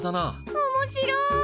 おもしろい！